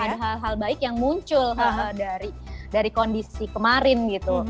ada hal hal baik yang muncul dari kondisi kemarin gitu